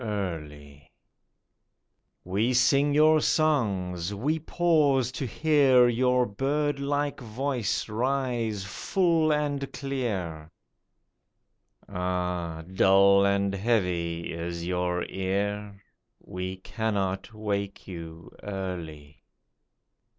WAKENING EARLY 91 We sing your songs ; we pause to hear Your bird like voice rise full and clear ; Ah ! dull and heavy is your ear ; We cannot wake you early.